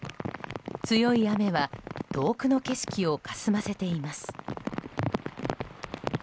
強い雨は、遠くの景色をかすませています。